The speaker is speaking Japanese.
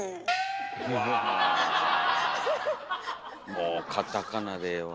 もうカタカナでええわ。